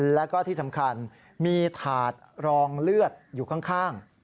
แล้วก็ที่สำคัญมีถาดรองเลือดอยู่ข้าง